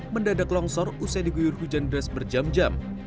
mendadak longsor usai diguyur hujan deras berjam jam